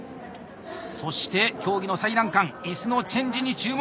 そして競技の最難関いすのチェンジに注目！